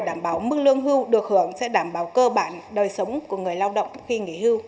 đảm bảo mức lương hưu được hưởng sẽ đảm bảo cơ bản đời sống của người lao động khi nghỉ hưu